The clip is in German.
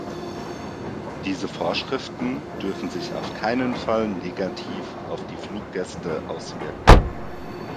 Diese Vorschriften dürfen sich auf keinen Fall negativ auf die Fluggäste auswirken.